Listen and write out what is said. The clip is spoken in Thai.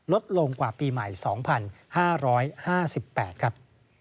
ลดลงกว่าปีใหม่๒๕๕๘ครับ